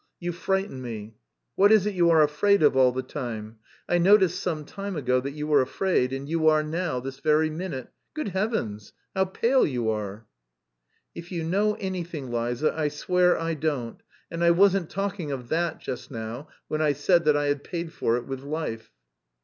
You frighten me. What is it you are afraid of all the time? I noticed some time ago that you were afraid and you are now, this very minute... Good heavens, how pale you are!" "If you know anything, Liza, I swear I don't... and I wasn't talking of that just now when I said that I had paid for it with life...."